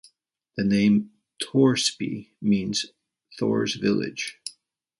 The name "Torsby" means Thor's village.